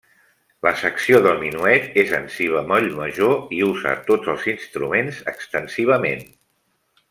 La secció del minuet és en si bemoll major i usa tots els instruments extensivament.